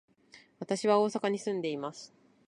私は大阪に住んでいます。